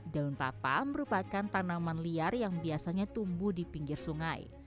daun papa merupakan tanaman liar yang biasanya tumbuh di pinggir sungai